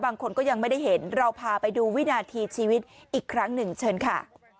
บางคนก็ยังไม่ได้เห็นเราพาไปดูวินาทีชีวิตอีกครั้งหนึ่งเชิญค่ะ